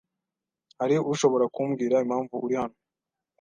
Ahari ushobora kumbwira impamvu uri hano.